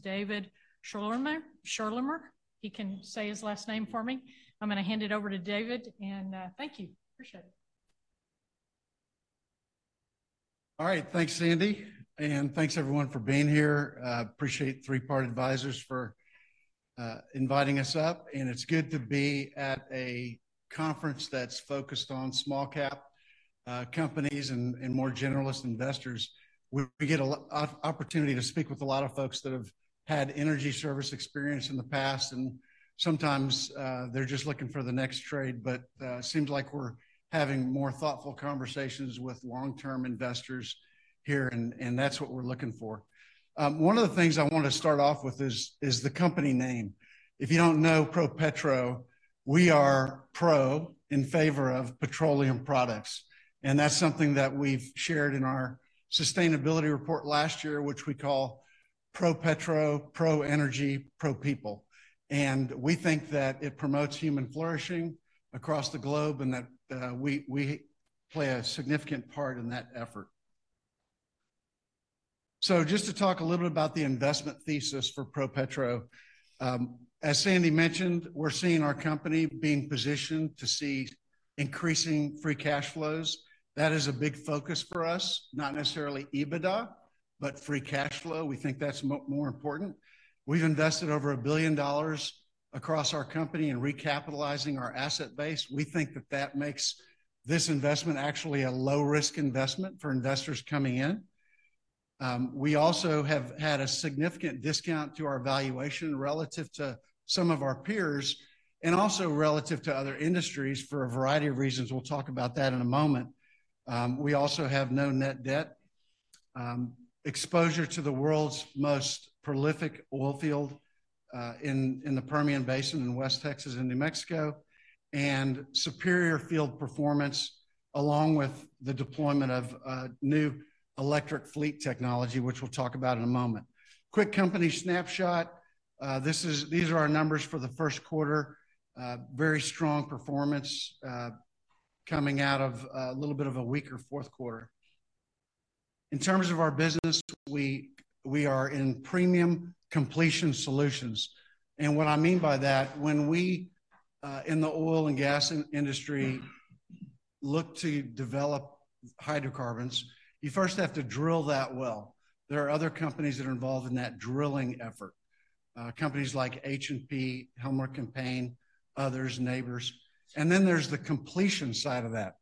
David Schorlemer. He can say his last name for me. I'm gonna hand it over to David, and thank you. Appreciate it. All right, thanks, Sandy, and thanks everyone for being here. Appreciate Three Part Advisors for inviting us up, and it's good to be at a conference that's focused on small cap companies and more generalist investors. We get a lot of opportunity to speak with a lot of folks that have had energy service experience in the past, and sometimes they're just looking for the next trade. But seems like we're having more thoughtful conversations with long-term investors here, and that's what we're looking for. One of the things I want to start off with is the company name. If you don't know ProPetro, we are pro, in favor of petroleum products, and that's something that we've shared in our sustainability report last year, which we call ProPetro, ProEnergy, ProPeople. And we think that it promotes human flourishing across the globe, and that we play a significant part in that effort. So just to talk a little bit about the investment thesis for ProPetro, as Sandy mentioned, we're seeing our company being positioned to see increasing free cash flows. That is a big focus for us. Not necessarily EBITDA, but free cash flow. We think that's more important. We've invested over $1 billion across our company in recapitalizing our asset base. We think that that makes this investment actually a low-risk investment for investors coming in. We also have had a significant discount to our valuation relative to some of our peers and also relative to other industries for a variety of reasons. We'll talk about that in a moment. We also have no net debt, exposure to the world's most prolific oil field in the Permian Basin in West Texas and New Mexico, and superior field performance, along with the deployment of new electric fleet technology, which we'll talk about in a moment. Quick company snapshot. These are our numbers for the first quarter. Very strong performance, coming out of a little bit of a weaker fourth-quarter. In terms of our business, we are in premium completion solutions, and what I mean by that, when we in the oil and gas industry look to develop hydrocarbons, you first have to drill that well. There are other companies that are involved in that drilling effort, companies like H&P, Helmerich & Payne, others, Nabors. And then there's the completion side of that.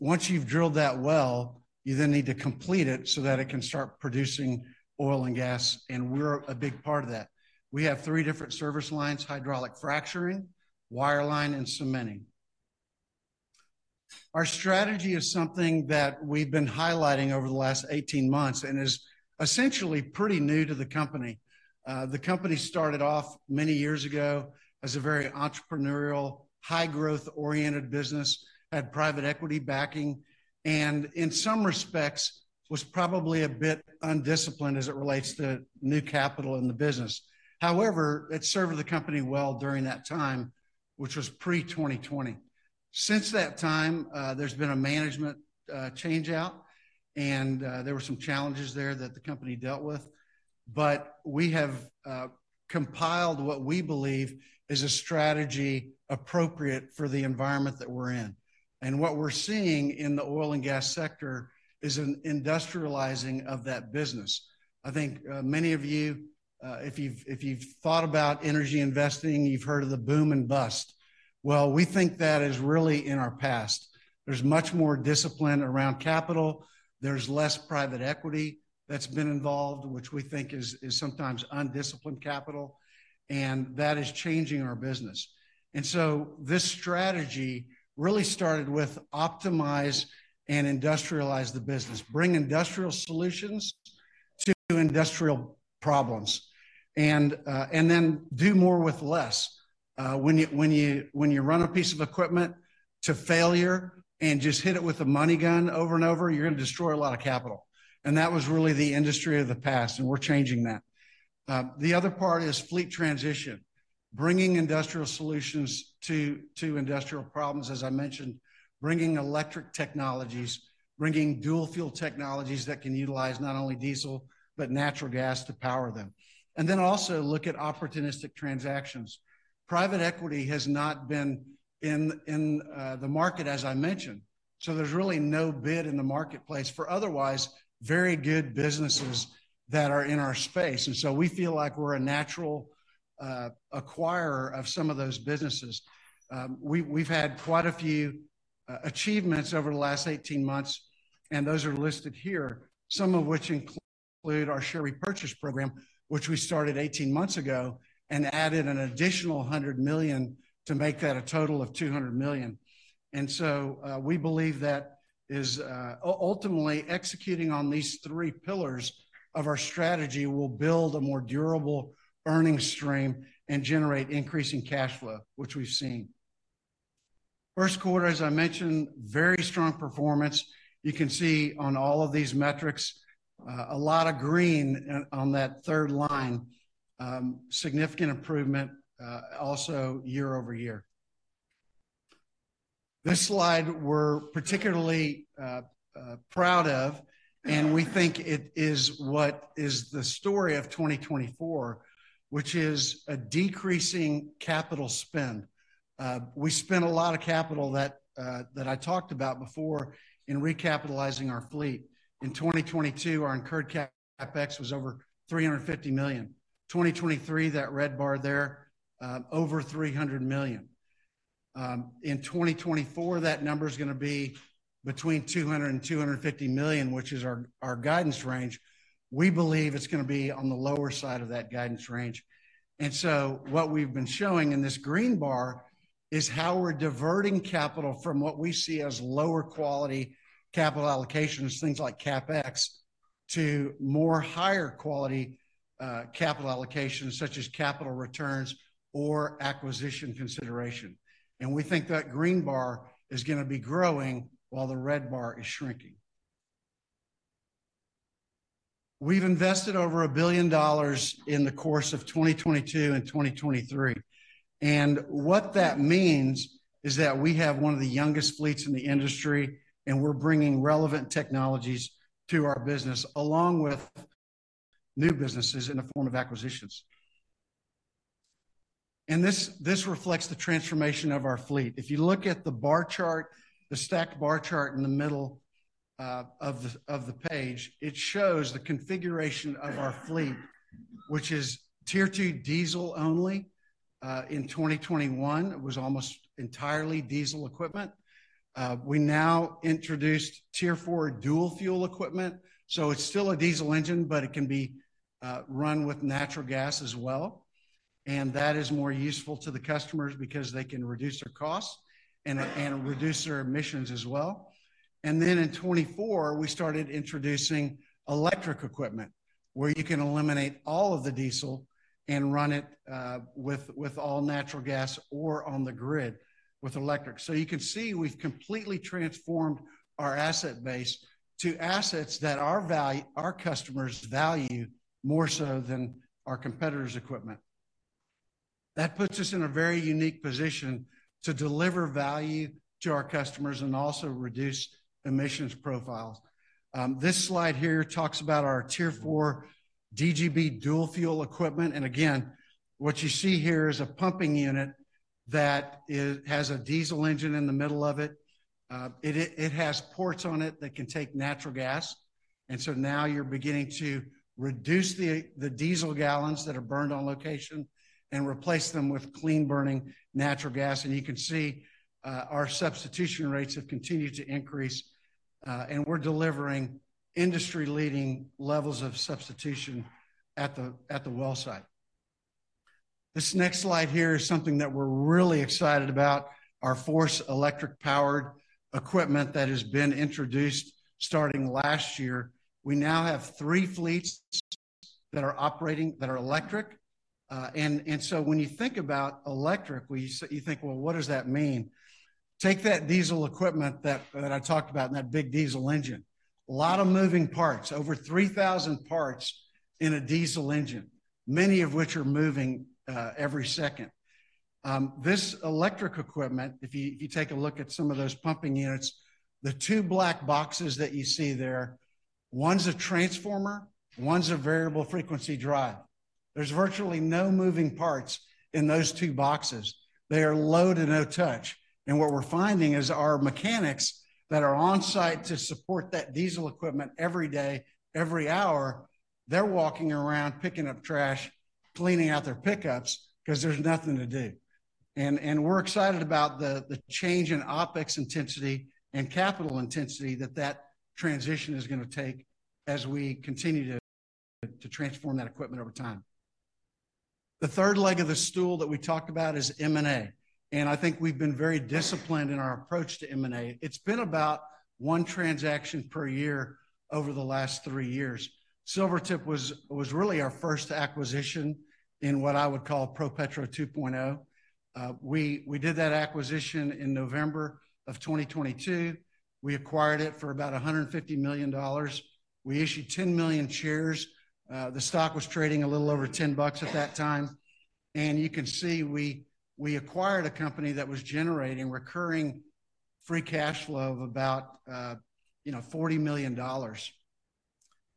Once you've drilled that well, you then need to complete it so that it can start producing oil and gas, and we're a big part of that. We have three different service lines: hydraulic fracturing, wireline, and cementing. Our strategy is something that we've been highlighting over the last eighteen months and is essentially pretty new to the company. The company started off many years ago as a very entrepreneurial, high growth-oriented business, had private equity backing, and in some respects, was probably a bit undisciplined as it relates to new capital in the business. However, it served the company well during that time, which was pre-2020. Since that time, there's been a management change-out, and there were some challenges there that the company dealt with. But we have compiled what we believe is a strategy appropriate for the environment that we're in, and what we're seeing in the oil and gas sector is an industrializing of that business. I think many of you, if you've thought about energy investing, you've heard of the boom and bust. Well, we think that is really in our past. There's much more discipline around capital. There's less private equity that's been involved, which we think is sometimes undisciplined capital, and that is changing our business. And so this strategy really started with optimize and industrialize the business, bring industrial solutions to industrial problems, and then do more with less. When you run a piece of equipment to failure and just hit it with a money gun over and over, you're gonna destroy a lot of capital, and that was really the industry of the past, and we're changing that. The other part is fleet transition, bringing industrial solutions to industrial problems, as I mentioned, bringing electric technologies, bringing dual fuel technologies that can utilize not only diesel, but natural gas to power them. And then also look at opportunistic transactions. Private equity has not been in the market, as I mentioned, so there's really no bid in the marketplace for otherwise very good businesses that are in our space, and so we feel like we're a natural acquirer of some of those businesses. We, we've had quite a few achievements over the last 18 months, and those are listed here, some of which include our share repurchase program, which we started 18 months ago, and added an additional $100 million to make that a total of $200 million. And so, we believe that is... Ultimately, executing on these three pillars of our strategy will build a more durable earning stream and generate increasing cash flow, which we've seen. First quarter, as I mentioned, very strong performance. You can see on all of these metrics, a lot of green, on that third line. Significant improvement, also year-over-year... This slide we're particularly proud of, and we think it is what is the story of 2024, which is a decreasing capital spend. We spent a lot of capital that that I talked about before in recapitalizing our fleet. In 2022, our incurred CapEx was over 350 million. 2023, that red bar there, over 300 million. In 2024, that number's gonna be between 200 million and 250 million, which is our, our guidance range. We believe it's gonna be on the lower side of that guidance range. And so what we've been showing in this green bar is how we're diverting capital from what we see as lower quality capital allocations, things like CapEx, to more higher quality, capital allocations, such as capital returns or acquisition consideration. And we think that green bar is gonna be growing while the red bar is shrinking. We've invested over $1 billion in the course of 2022 and 2023, and what that means is that we have one of the youngest fleets in the industry, and we're bringing relevant technologies to our business, along with new businesses in the form of acquisitions. This reflects the transformation of our fleet. If you look at the bar chart, the stacked bar chart in the middle of the page, it shows the configuration of our fleet, which is Tier 2 diesel only. In 2021, it was almost entirely diesel equipment. We now introduced Tier 4 dual fuel equipment, so it's still a diesel engine, but it can be run with natural gas as well, and that is more useful to the customers because they can reduce their costs and reduce their emissions as well. In 2024, we started introducing electric equipment, where you can eliminate all of the diesel and run it with all natural gas or on the grid with electric. So you can see we've completely transformed our asset base to assets that our customers value more so than our competitors' equipment. That puts us in a very unique position to deliver value to our customers and also reduce emissions profiles. This slide here talks about our Tier 4 DGB dual-fuel equipment, and again, what you see here is a pumping unit that has a diesel engine in the middle of it. It has ports on it that can take natural gas, and so now you're beginning to reduce the diesel gallons that are burned on location and replace them with clean-burning natural gas. You can see, our substitution rates have continued to increase, and we're delivering industry-leading levels of substitution at the well site. This next slide here is something that we're really excited about, our FORCE electric-powered equipment that has been introduced starting last year. We now have three fleets that are operating, that are electric. And so when you think about electric, you think, "Well, what does that mean?" Take that diesel equipment that I talked about in that big diesel engine. A lot of moving parts, over 3,000 parts in a diesel engine, many of which are moving every second. This electric equipment, if you take a look at some of those pumping units, the two black boxes that you see there, one's a transformer, one's a variable frequency drive. There's virtually no moving parts in those two boxes. They are low to no touch, and what we're finding is our mechanics that are on-site to support that diesel equipment every day, every hour, they're walking around picking up trash, cleaning out their pickups, 'cause there's nothing to do. We're excited about the change in OpEx intensity and capital intensity that that transition is gonna take as we continue to transform that equipment over time. The third leg of the stool that we talked about is M&A, and I think we've been very disciplined in our approach to M&A. It's been about one transaction per year over the last three years. Silvertip was really our first acquisition in what I would call ProPetro 2.0. We did that acquisition in November of 2022. We acquired it for about $150 million. We issued 10 million shares. The stock was trading a little over $10 at that time, and you can see we acquired a company that was generating recurring free cash flow of about, you know, $40 million.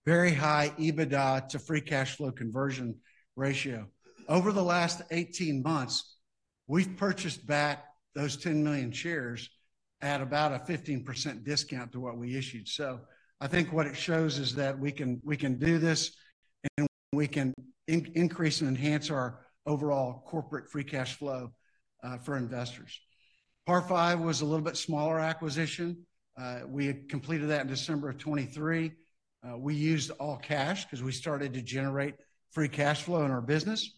Very high EBITDA to free cash flow conversion ratio. Over the last 18 months, we've purchased back those 10 million shares at about a 15% discount to what we issued. So I think what it shows is that we can do this, and we can increase and enhance our overall corporate free cash flow for investors. Par Five was a little bit smaller acquisition. We completed that in December of 2023. We used all cash, 'cause we started to generate free cash flow in our business,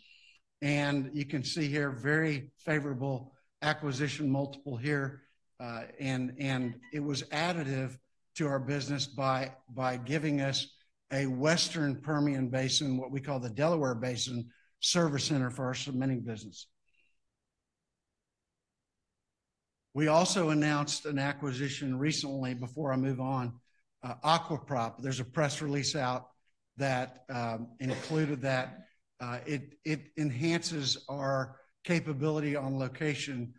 and you can see here, very favorable acquisition multiple here. It was additive to our business by giving us a Western Permian Basin, what we call the Delaware Basin Service Center for our cementing business. We also announced an acquisition recently, before I move on, Aqua Prop. There's a press release out that included that, it enhances our capability on location.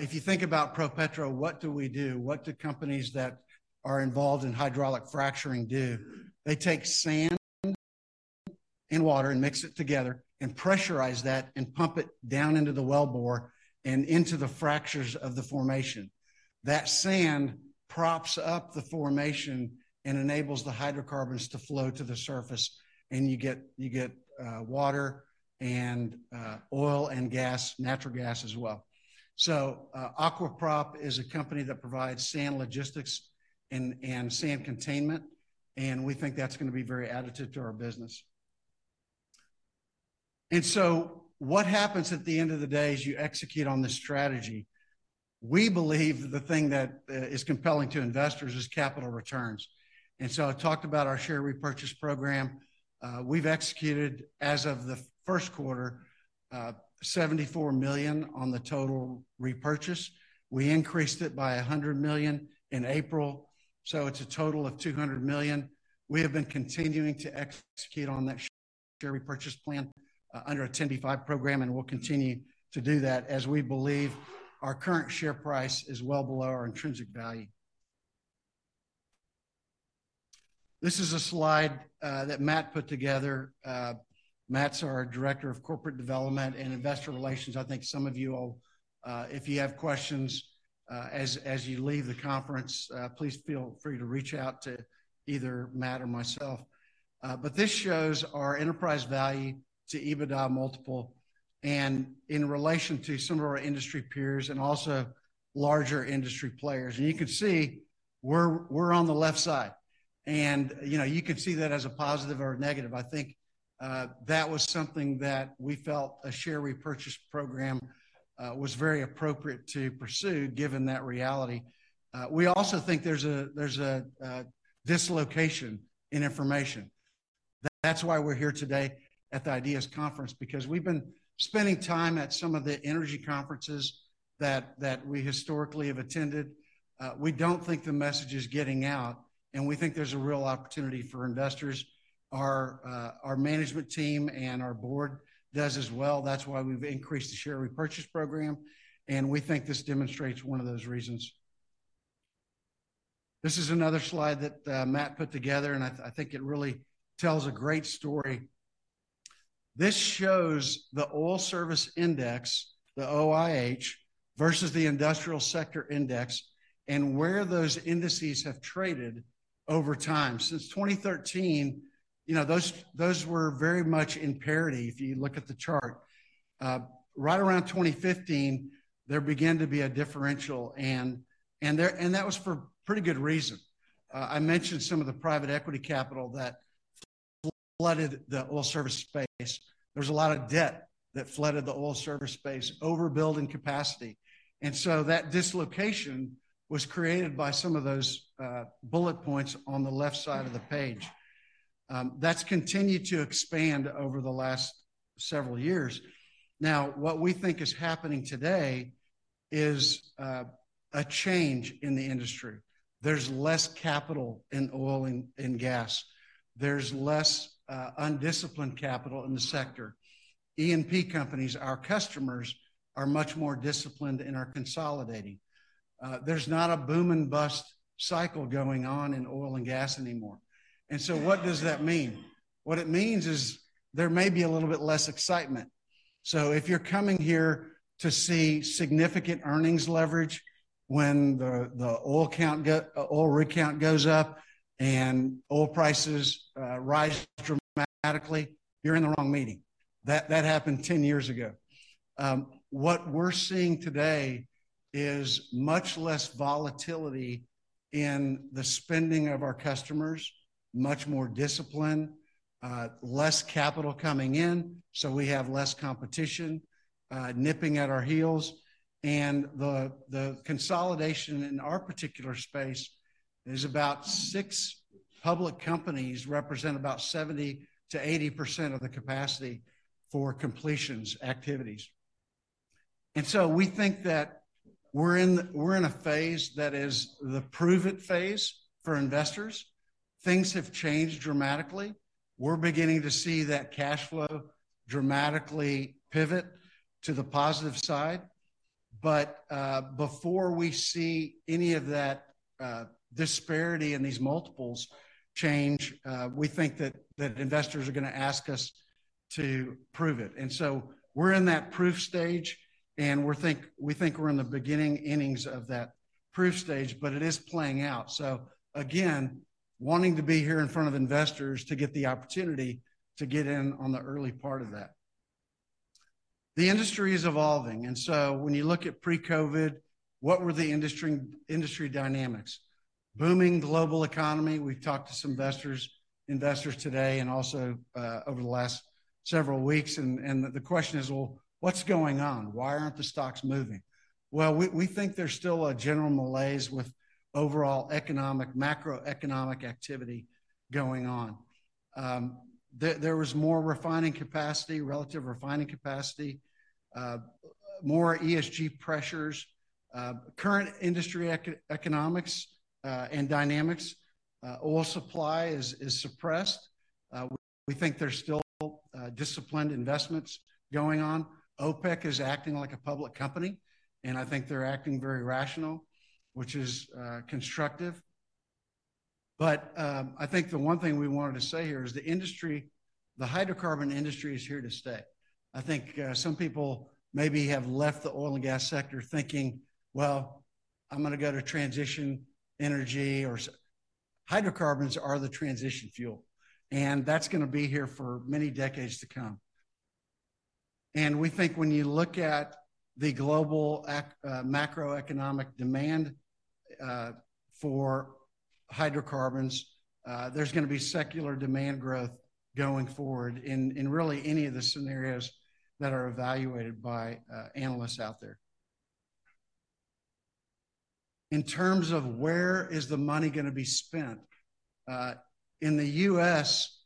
If you think about ProPetro, what do we do? What do companies that are involved in hydraulic fracturing do? They take sand and water and mix it together and pressurize that and pump it down into the wellbore and into the fractures of the formation. That sand props up the formation and enables the hydrocarbons to flow to the surface, and you get water and oil and gas, natural gas as well. So, Aqua Prop is a company that provides sand logistics and sand containment, and we think that's gonna be very additive to our business. And so what happens at the end of the day is you execute on this strategy. We believe that the thing that is compelling to investors is capital returns. And so I talked about our share repurchase program. We've executed, as of the first quarter, 74 million on the total repurchase. We increased it by 100 million in April, so it's a total of 200 million. We have been continuing to execute on that share repurchase plan under a 10b5-1 program, and we'll continue to do that, as we believe our current share price is well below our intrinsic value. This is a slide that Matt put together. Matt's our Director of Corporate Development and Investor Relations. I think some of you all, if you have questions, as, as you leave the conference, please feel free to reach out to either Matt or myself. But this shows our enterprise value to EBITDA multiple and in relation to some of our industry peers and also larger industry players. And you can see we're, we're on the left side, and, you know, you could see that as a positive or a negative. I think that was something that we felt a share repurchase program was very appropriate to pursue, given that reality. We also think there's a dislocation in information. That's why we're here today at the IDEAS Conference, because we've been spending time at some of the energy conferences that we historically have attended. We don't think the message is getting out, and we think there's a real opportunity for investors. Our management team and our board does as well. That's why we've increased the share repurchase program, and we think this demonstrates one of those reasons. This is another slide that Matt put together, and I think it really tells a great story. This shows the Oil Service Index, the OIH, versus the Industrial Sector Index and where those indices have traded over time. Since 2013, you know, those were very much in parity, if you look at the chart. Right around 2015, there began to be a differential, and that was for pretty good reason. I mentioned some of the private equity capital that flooded the oil service space. There was a lot of debt that flooded the oil service space, overbuilding capacity. And so that dislocation was created by some of those bullet points on the left side of the page. That's continued to expand over the last several years. Now, what we think is happening today is a change in the industry. There's less capital in oil and gas. There's less undisciplined capital in the sector. E&P companies, our customers, are much more disciplined and are consolidating. There's not a boom-and-bust cycle going on in oil and gas anymore. And so what does that mean? What it means is there may be a little bit less excitement. So if you're coming here to see significant earnings leverage when the oil rig count goes up and oil prices rise dramatically, you're in the wrong meeting. That happened 10 years ago. What we're seeing today is much less volatility in the spending of our customers, much more discipline, less capital coming in, so we have less competition nipping at our heels. And the consolidation in our particular space is about six public companies represent about 70%-80% of the capacity for completions activities. And so we think that we're in a phase that is the prove-it phase for investors. Things have changed dramatically. We're beginning to see that cash flow dramatically pivot to the positive side. But, before we see any of that, disparity in these multiples change, we think that, that investors are gonna ask us to prove it. And so we're in that proof stage, and we think we're in the beginning innings of that proof stage, but it is playing out. So again, wanting to be here in front of investors to get the opportunity to get in on the early part of that. The industry is evolving, and so when you look at pre-COVID, what were the industry dynamics? Booming global economy. We've talked to some investors today and also over the last several weeks, and the question is: Well, what's going on? Why aren't the stocks moving? Well, we think there's still a general malaise with overall economic, macroeconomic activity going on. There was more refining capacity, relative refining capacity, more ESG pressures, current industry economics, and dynamics. Oil supply is suppressed. We think there's still disciplined investments going on. OPEC is acting like a public company, and I think they're acting very rational, which is constructive. But I think the one thing we wanted to say here is the industry, the hydrocarbon industry is here to stay. I think some people maybe have left the oil and gas sector thinking, "Well, I'm gonna go to transition energy or--" hydrocarbons are the transition fuel, and that's gonna be here for many decades to come. We think when you look at the global macroeconomic demand for hydrocarbons, there's gonna be secular demand growth going forward in really any of the scenarios that are evaluated by analysts out there. In terms of where is the money gonna be spent in the US,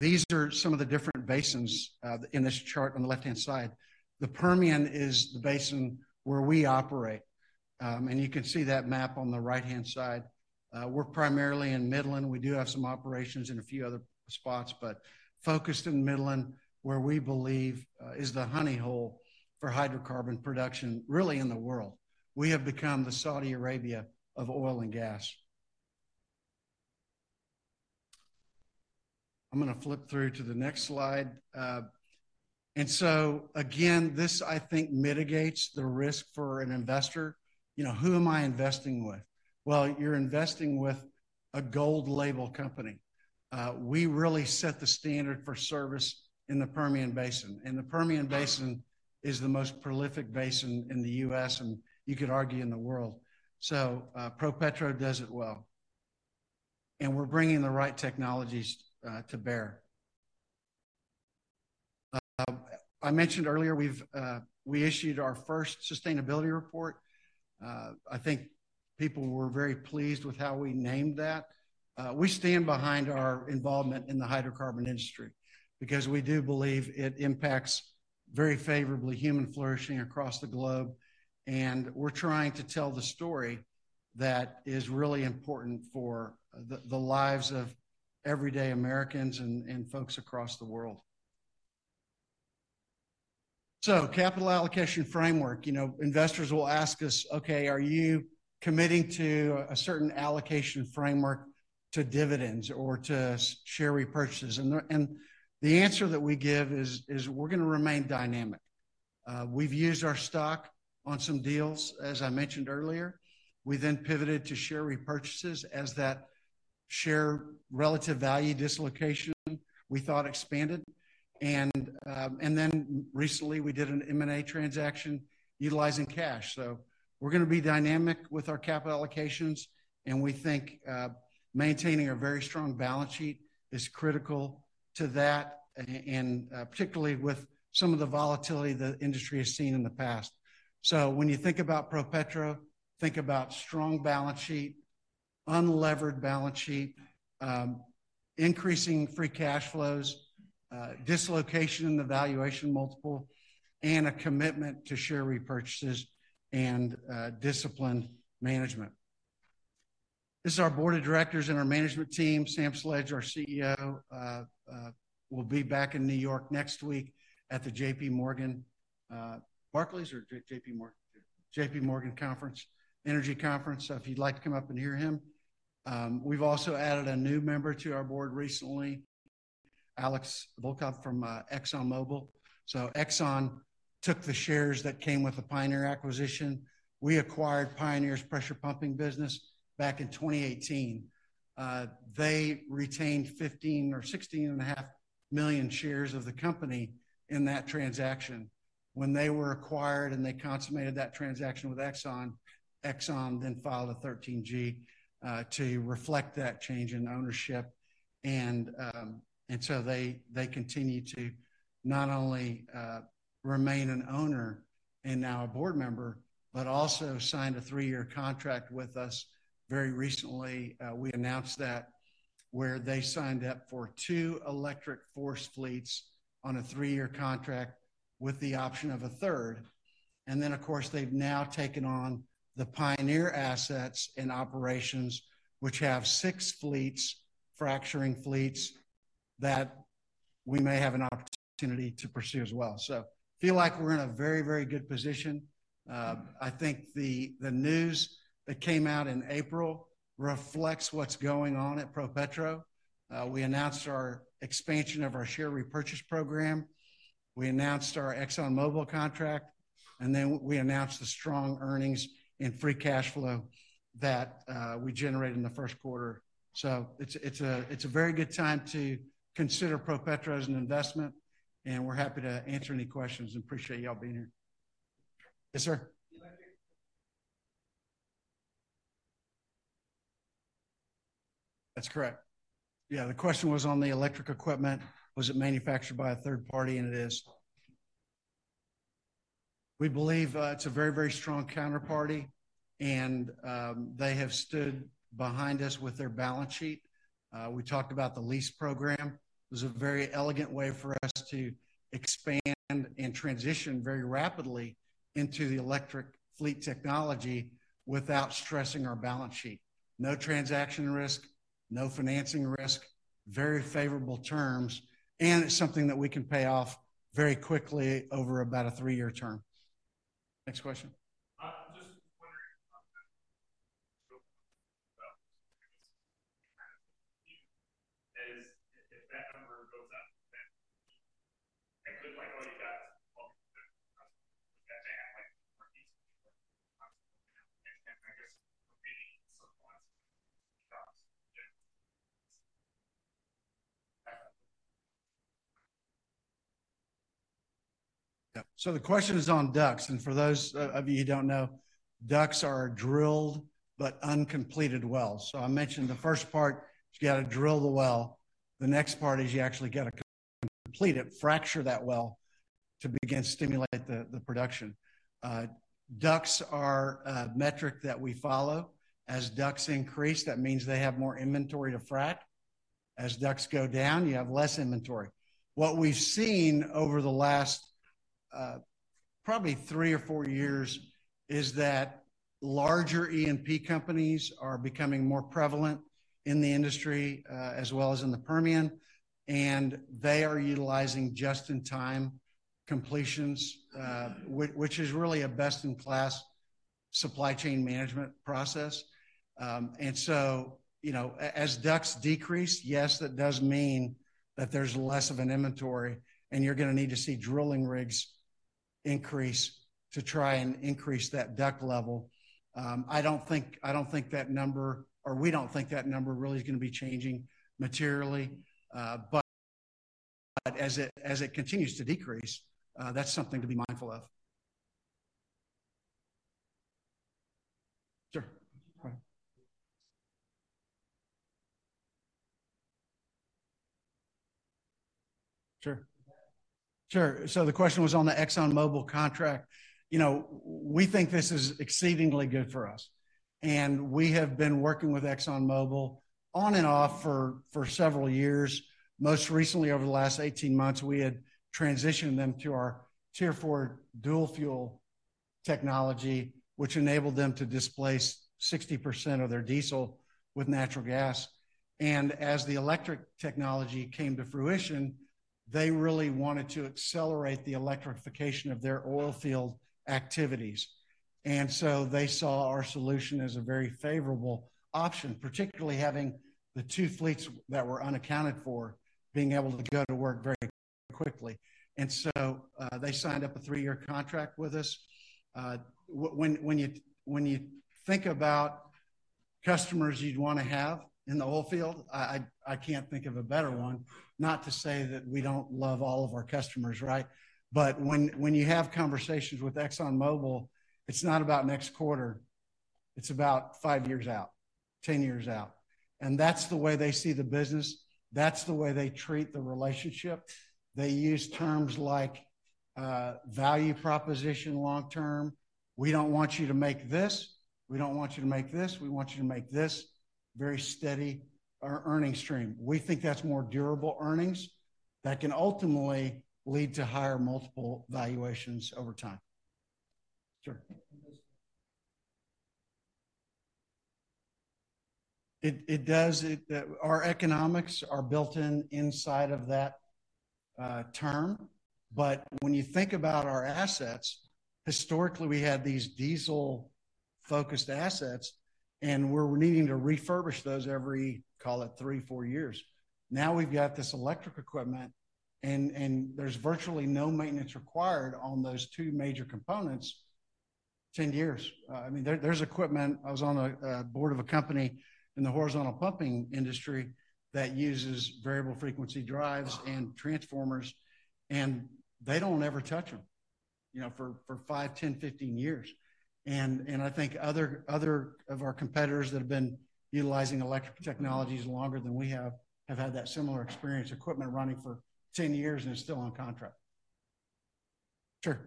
these are some of the different basins in this chart on the left-hand side. The Permian is the basin where we operate. And you can see that map on the right-hand side. We're primarily in Midland. We do have some operations in a few other spots, but focused in Midland, where we believe is the honey hole for hydrocarbon production, really, in the world. We have become the Saudi Arabia of oil and gas. I'm gonna flip through to the next slide. And so again, this, I think, mitigates the risk for an investor. You know, who am I investing with? Well, you're investing with a gold label company. We really set the standard for service in the Permian Basin, and the Permian Basin is the most prolific basin in the U.S., and you could argue, in the world. So, ProPetro does it well, and we're bringing the right technologies to bear. I mentioned earlier, we issued our first sustainability report. I think people were very pleased with how we named that. We stand behind our involvement in the hydrocarbon industry because we do believe it impacts very favorably human flourishing across the globe, and we're trying to tell the story that is really important for the lives of everyday Americans and folks across the world. So, capital allocation framework. You know, investors will ask us, "Okay, are you committing to a certain allocation framework to dividends or to share repurchases?" And the answer that we give is, "We're gonna remain dynamic." We've used our stock on some deals, as I mentioned earlier. We then pivoted to share repurchases as that share relative value dislocation, we thought, expanded. And then recently, we did an M&A transaction utilizing cash. So we're gonna be dynamic with our capital allocations, and we think maintaining a very strong balance sheet is critical to that, and particularly with some of the volatility the industry has seen in the past. So when you think about ProPetro, think about strong balance sheet, unlevered balance sheet, increasing free cash flows, dislocation in the valuation multiple, and a commitment to share repurchases and disciplined management. This is our board of directors and our management team. Sam Sledge, our CEO, will be back in New York next week at the J.P. Morgan, Barclays or J.P. Morgan? J.P. Morgan Conference, Energy Conference, so if you'd like to come up and hear him. We've also added a new member to our board recently, Alex Volkov from ExxonMobil. So Exxon took the shares that came with the Pioneer acquisition. We acquired Pioneer's pressure pumping business back in 2018. They retained 15 or 16.5 million shares of the company in that transaction. When they were acquired, and they consummated that transaction with Exxon, Exxon then filed a 13G to reflect that change in ownership. They continued to not only remain an owner and now a board member, but also signed a three-year contract with us very recently. We announced that, where they signed up for two electric FORCE fleets on a three-year contract with the option of a third. And then, of course, they've now taken on the Pioneer assets and operations, which have six fleets, fracturing fleets, that we may have an opportunity to pursue as well. So feel like we're in a very, very good position. I think the news that came out in April reflects what's going on at ProPetro. We announced our expansion of our share repurchase program, we announced our ExxonMobil contract, and then we announced the strong earnings and free cash flow that we generated in the first quarter. So it's a very good time to consider ProPetro as an investment, and we're happy to answer any questions. Appreciate y'all being here. Yes, sir? That's correct. Yeah, the question was on the electric equipment, was it manufactured by a third party, and it is. We believe it's a very, very strong counterparty, and they have stood behind us with their balance sheet. We talked about the lease program. It was a very elegant way for us to expand and transition very rapidly into the electric fleet technology without stressing our balance sheet. No transaction risk, no financing risk, very favorable terms, and it's something that we can pay off very quickly over about a three-year term. Next question? I'm just wondering if that number goes up, then it could like, oh, you guys, I guess, maybe someplace else. Yeah. Yeah. So the question is on DUCs, and for those of you who don't know, DUCs are drilled but uncompleted wells. So I mentioned the first part, you got to drill the well. The next part is you actually got to complete it, fracture that well, to begin to stimulate the production. DUCs are a metric that we follow. As DUCs increase, that means they have more inventory to frack. As DUCs go down, you have less inventory. What we've seen over the last, probably three or four years, is that larger E&P companies are becoming more prevalent in the industry, as well as in the Permian, and they are utilizing just-in-time completions, which is really a best-in-class supply chain management process. And so, you know, as DUCs decrease, yes, that does mean that there's less of an inventory, and you're going to need to see drilling rigs increase to try and increase that DUC level. I don't think that number, or we don't think that number really is going to be changing materially. But as it continues to decrease, that's something to be mindful of. Sure. Sure. Sure. So the question was on the ExxonMobil contract. You know, we think this is exceedingly good for us, and we have been working with ExxonMobil on and off for several years. Most recently, over the last 18 months, we had transitioned them to our Tier 4 dual fuel technology, which enabled them to displace 60% of their diesel with natural gas. As the electric technology came to fruition, they really wanted to accelerate the electrification of their oil field activities. So they saw our solution as a very favorable option, particularly having the two fleets that were unaccounted for, being able to go to work very quickly. So they signed up a three-year contract with us. When you think about customers you'd want to have in the oil field, I can't think of a better one. Not to say that we don't love all of our customers, right? But when you have conversations with ExxonMobil, it's not about next quarter, it's about five years out, 10 years out. And that's the way they see the business, that's the way they treat the relationship. They use terms like value proposition long term. We want you to make this very steady earnings stream. We think that's more durable earnings that can ultimately lead to higher multiple valuations over time. Sure. It does. Our economics are built in inside of that term. But when you think about our assets, historically, we had these diesel-focused assets, and we're needing to refurbish those every, call it three-four years. Now, we've got this electric equipment, and there's virtually no maintenance required on those two major components, 10 years. I mean, there's equipment. I was on a board of a company in the horizontal pumping industry that uses variable frequency drives and transformers, and they don't ever touch them, you know, for five, 10, 15 years. And I think others of our competitors that have been utilizing electric technologies longer than we have have had that similar experience, equipment running for 10 years, and it's still on contract. Sure.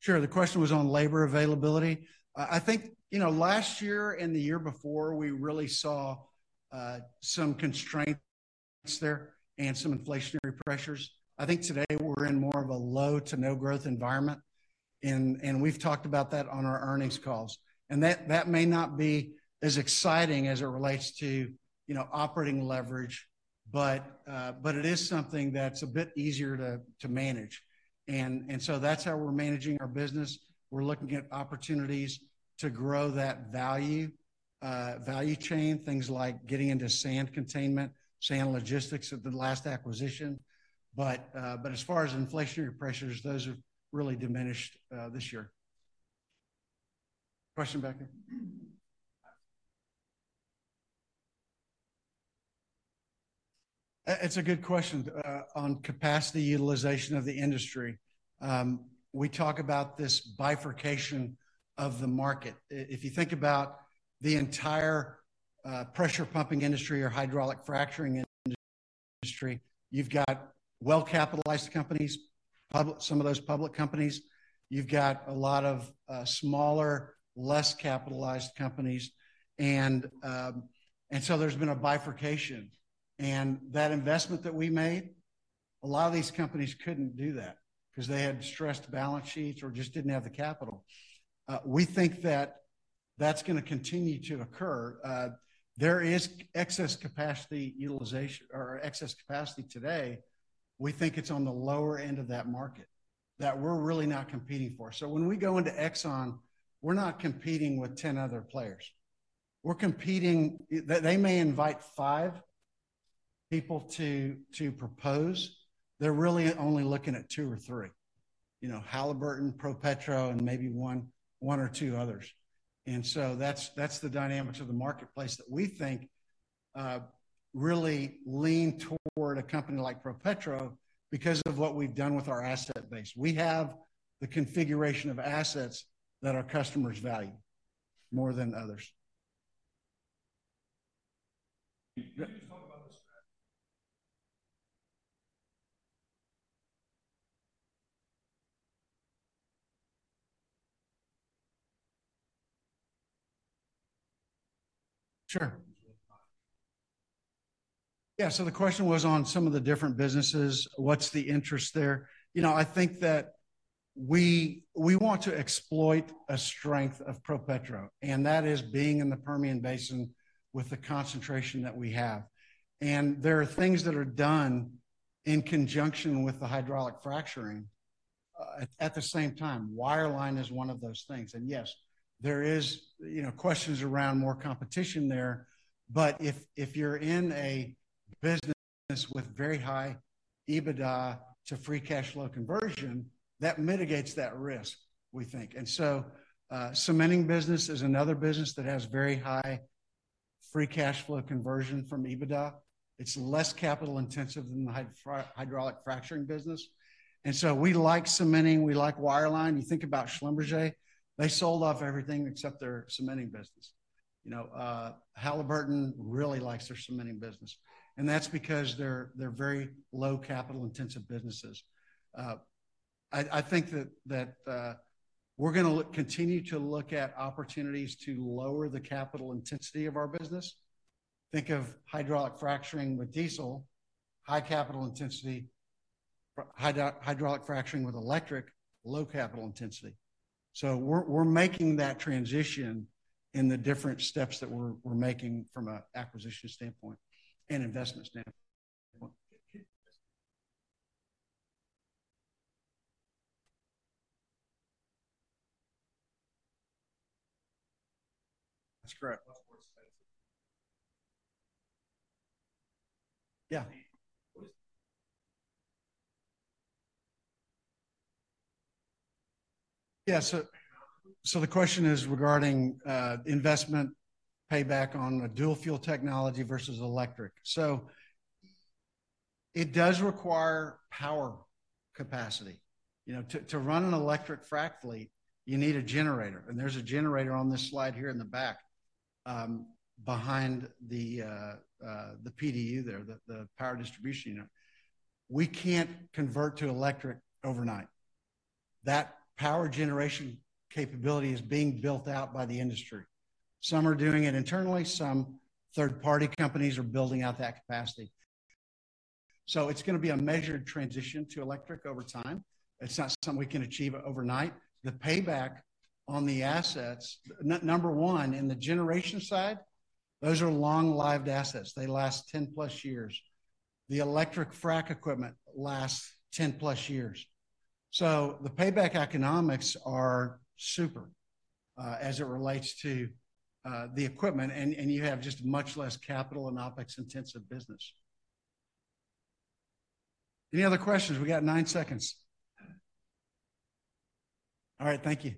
Sure, the question was on labor availability. I think, you know, last year and the year before, we really saw some constraints there and some inflationary pressures. I think today we're in more of a low to no growth environment, and we've talked about that on our earnings calls. And that may not be as exciting as it relates to, you know, operating leverage, but it is something that's a bit easier to manage. And so that's how we're managing our business. We're looking at opportunities to grow that value chain, things like getting into sand containment, sand logistics of the last acquisition. But, but as far as inflationary pressures, those have really diminished, this year. Question back there? It's a good question, on capacity utilization of the industry. We talk about this bifurcation of the market. If you think about the entire pressure pumping industry or hydraulic fracturing industry, you've got well-capitalized companies, public, some of those public companies. You've got a lot of, smaller, less capitalized companies, and, and so there's been a bifurcation. And that investment that we made, a lot of these companies couldn't do that, 'cause they had stressed balance sheets or just didn't have the capital. We think that that's gonna continue to occur. There is excess capacity utilization or excess capacity today. We think it's on the lower end of that market that we're really not competing for. So when we go into Exxon, we're not competing with 10 other players. We're competing. They, they may invite five people to, to propose. They're really only looking at two or three. You know, Halliburton, ProPetro, and maybe one, one or two others. And so that's, that's the dynamics of the marketplace that we think really lean toward a company like ProPetro because of what we've done with our asset base. We have the configuration of assets that our customers value more than others. Can you talk about the? Sure. Yeah, so the question was on some of the different businesses, what's the interest there? You know, I think that we, we want to exploit a strength of ProPetro, and that is being in the Permian Basin with the concentration that we have. And there are things that are done in conjunction with the hydraulic fracturing at the same time. Wireline is one of those things. And yes, there is, you know, questions around more competition there, but if, if you're in a business with very high EBITDA to free cash flow conversion, that mitigates that risk, we think. And so, cementing business is another business that has very high free cash flow conversion from EBITDA. It's less capital intensive than the hydraulic fracturing business, and so we like cementing, we like wireline. You think about Schlumberger, they sold off everything except their cementing business. You know, Halliburton really likes their cementing business, and that's because they're very low capital intensive businesses. I think that we're gonna continue to look at opportunities to lower the capital intensity of our business. Think of hydraulic fracturing with diesel, high capital intensity, hydraulic fracturing with electric, low capital intensity. So we're making that transition in the different steps that we're making from an acquisition standpoint and investment standpoint. That's correct. Less more expensive. Yeah. What is- Yeah, so, so the question is regarding, investment payback on a dual fuel technology versus electric. So it does require power capacity. You know, to run an electric frack fleet, you need a generator, and there's a generator on this slide here in the back, behind the PDU there, the power distribution unit. We can't convert to electric overnight. That power generation capability is being built out by the industry. Some are doing it internally, some third-party companies are building out that capacity. So it's gonna be a measured transition to electric over time. It's not something we can achieve overnight. The payback on the assets, number one, in the generation side, those are long-lived assets. They last 10+ years. The electric frack equipment lasts 10+ years. So the payback economics are super as it relates to the equipment, and you have just much less capital and OpEx intensive business. Any other questions? We got nine seconds. All right, thank you.